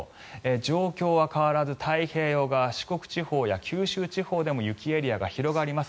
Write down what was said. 状況は変わらず太平洋側四国地方や九州地方でも雪エリアが広がります。